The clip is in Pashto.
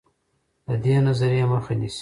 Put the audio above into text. د دې نظریې مخه نیسي.